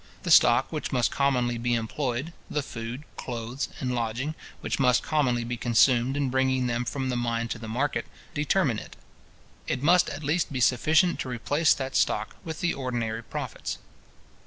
The stock which must commonly be employed, the food, clothes, and lodging, which must commonly be consumed in bringing them from the mine to the market, determine it. It must at least be sufficient to replace that stock, with the ordinary profits.